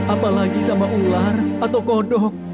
apalagi sama ular atau kodok